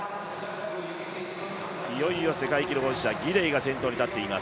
いよいよ世界記録保持者、ギデイが先頭に立っています。